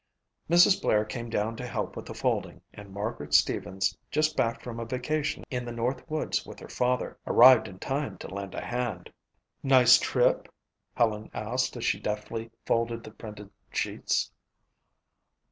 Mrs. Blair came down to help with the folding and Margaret Stevens, just back from a vacation in the north woods with her father, arrived in time to lend a hand. "Nice trip?" Helen asked as she deftly folded the printed sheets.